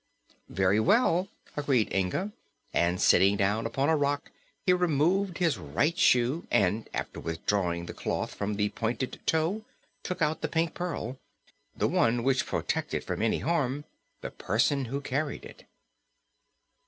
"Very well," agreed Inga, and sitting down upon a rock he removed his right shoe and after withdrawing the cloth from the pointed toe took out the Pink Pearl the one which protected from any harm the person who carried it.